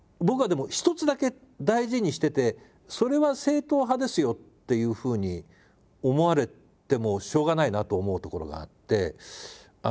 僕はでも一つだけ大事にしててそれは正統派ですよっていうふうに思われてもしょうがないなと思うところがあって。